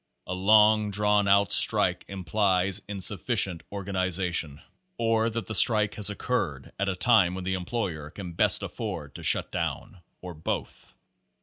A long drawn out strike implies in sufficient organization or that the strike has occurred at a time when the employer can best afford to shut down or both.